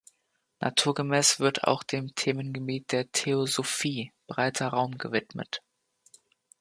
Naturgemäß wird auch dem Themengebiet der Theosophie breiter Raum gewidmet.